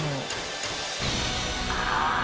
ああ！